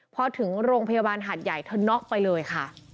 พอถึงโรงพยาบาลหาดใหญ่เธอน็อกไปเลยค่ะ